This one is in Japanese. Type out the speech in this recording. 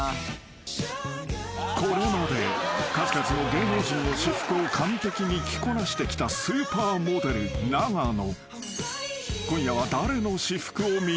［これまで数々の芸能人の私服を完璧に着こなしてきたスーパーモデル永野］